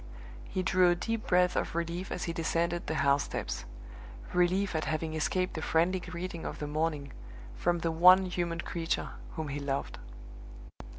He drew a deep breath of relief as he descended the house steps relief at having escaped the friendly greeting of the morning, from the one human creature whom he loved!